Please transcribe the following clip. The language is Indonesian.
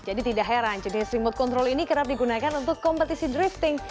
jadi tidak heran jenis remote control ini kerap digunakan untuk kompetisi drifting